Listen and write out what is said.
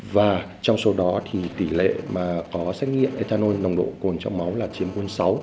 và trong số đó thì tỷ lệ mà có xét nghiệm ethanol nồng độ cồn trong máu là chiếm quân sáu